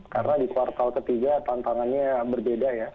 karena di kuartal ke tiga tantangannya berbeda ya